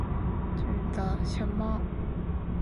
玫瑰大花生是什么味道？